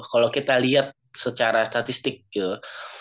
kalau kita lihat secara statistik gitu